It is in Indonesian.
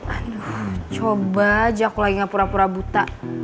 aduh coba aja aku lagi ngapura pura buta